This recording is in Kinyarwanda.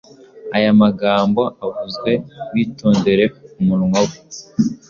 Aya magambo avuzwewitondere umunwa we